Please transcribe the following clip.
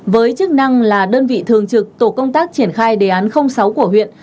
với chức năng là đơn vị thường trực tổ công tác triển khai đề án sáu của huyện